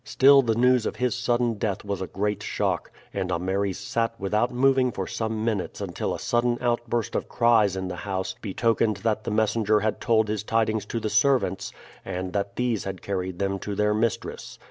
Still the news of his sudden death was a great shock, and Ameres sat without moving for some minutes until a sudden outburst of cries in the house betokened that the messenger had told his tidings to the servants, and that these had carried them to their mistress.